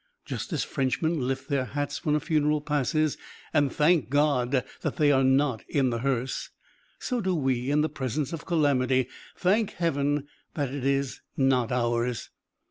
Just as Frenchmen lift their hats when a funeral passes and thank God that they are not in the hearse, so do we in the presence of calamity thank Heaven that it is not ours.